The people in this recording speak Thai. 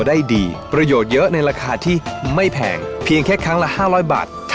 ได้ครับยินดีครับผมไปครับ